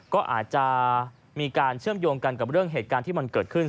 ก็อาจจะมีการเชื่อมโยงกันกับเรื่องเหตุการณ์ที่มันเกิดขึ้น